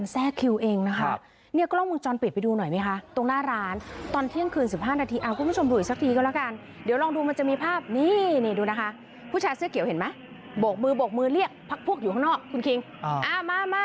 แต่ว่าเติมก็ฝึกแล้วล่ะว่า